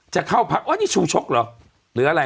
จะเข้าพักนี่ชูชกเหรอหรืออะไร